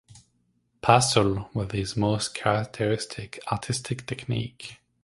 Pastel was his most characteristic artistic technique.